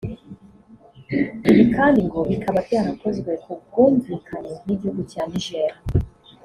ibi kandi ngo bikaba byarakozwe ku bwumvikane n’igihugu cya Niger